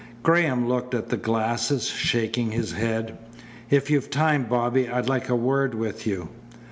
Graham looked at the glasses, shaking his head. "If you've time, Bobby, I'd like a word with you."